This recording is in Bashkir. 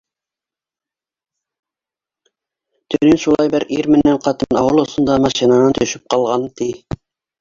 Төнөн шулай бер ир менән ҡатын ауыл осонда машинанан төшөп ҡалған, ти.